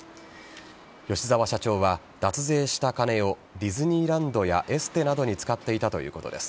吉澤社長は脱税した金をディズニーランドやエステなどに使っていたということです。